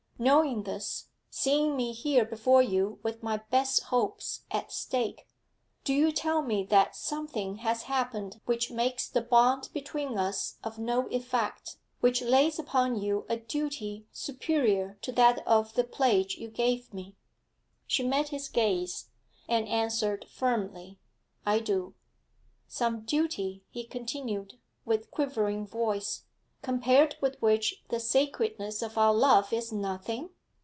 Knowing this, seeing me here before you with my best hopes at stake, do you tell me that something has happened which makes the bond between us of no effect, which lays upon you a duty superior to that of the pledge you gave me?' She met his gaze, and answered firmly, 'I do.' 'Some duty,' he continued, with quivering voice, 'compared with which the sacredness of our love is nothing?'